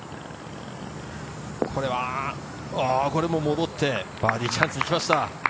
これも戻って、バーディーチャンスにきました。